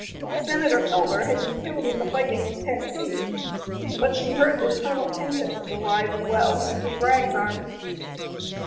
Senator Culver had been killed in the fighting in Tennessee, but she heard that Colonel Kenton was alive and well and with Bragg's army.